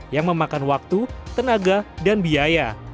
yang memakan waktu tenaga dan biaya